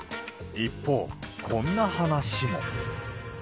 一方、こんな話も。